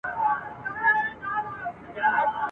په نوي دور کي «کارل مارکس» دی